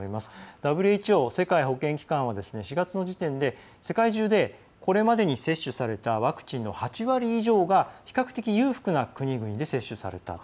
ＷＨＯ＝世界保健機関は４月の時点で世界中でこれまでに接種されたワクチンの８割以上が比較的、裕福な国々で接種されたと。